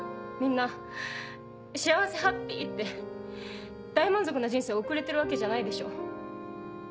みんな幸せハッピーって大満足な人生送れてるわけじゃないでしょ。